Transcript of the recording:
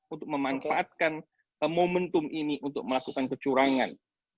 untuk memanfaatkan momentum ini untuk melakukan kecurangan